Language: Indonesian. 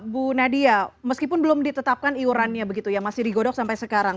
bu nadia meskipun belum ditetapkan iurannya begitu ya masih digodok sampai sekarang